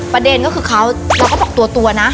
ประเด็นก็คือเขาเราก็บอกตัวนะ